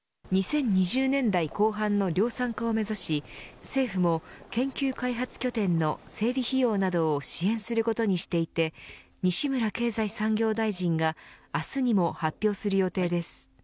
２０２０年代後半の量産化を目指し政府も研究開発拠点の整備費用などを支援することにしていて西村経済産業大臣が明日にも発表する予定です。